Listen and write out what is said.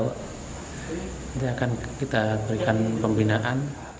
kita akan berikan pembinaan